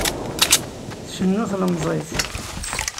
Tcennu tlemẓit.